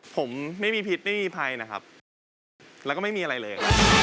ผมไม่มีพิษไม่มีภัยนะครับแล้วก็ไม่มีอะไรเลย